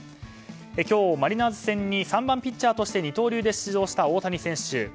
今日、マリナーズ戦に３番ピッチャーとして二刀流で出場した大谷選手。